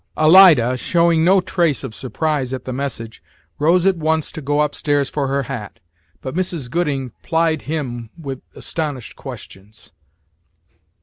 Alida, showing no trace of surprise at the message, rose at once to go up stairs for her hat, but Mrs. Gooding plied him with astonished questions.